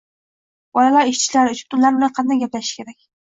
“Bolalar eshitishlari uchun ular bilan qanday gaplashish kerak